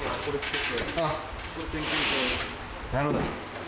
なるほど。